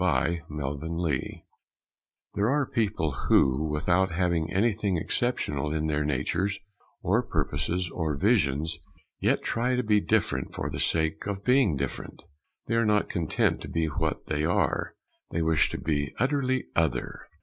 THE NEW DUCKLING There are people who, without having anything exceptional in their natures or purposes or visions, yet try to be different for the sake of being different. They are not content to be what they are; they wish to be "utterly other."